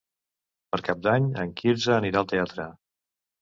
Per Cap d'Any en Quirze anirà al teatre.